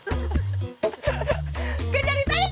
berisik berisik berisik